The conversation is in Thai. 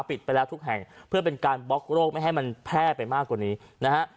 ปิดไปแล้วทุกแห่งเพื่อเป็นการบล็อกโรคไม่ให้มันแพร่ไปมากกว่านี้นะฮะ